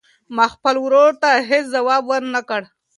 ما خپل ورور ته هېڅ ځواب ورنه کړ.